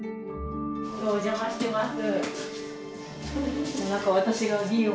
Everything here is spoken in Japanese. お邪魔してます。